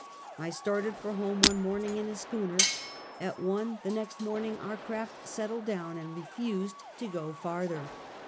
I started for home one morning in a schooner. A.t one the next morning our craft settled down and refused to go farther.